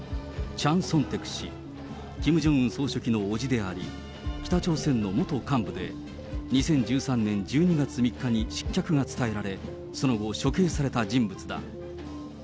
チャン・ソンテク氏、キム・ジョンウン氏の伯父であり、北朝鮮の元幹部で、２０１３年１２月３日に失脚が伝えられ、その後、処刑された人物だ。